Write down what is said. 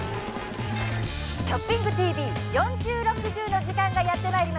「ショッピングＴＶ４０／６０」の時間がやってまいりました。